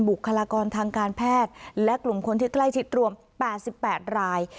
บุคลากรทางการแพทย์และกลุ่มคนที่ใกล้ชิดรวม๘๘ราย